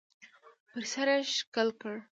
پر سر یې ښکل کړ .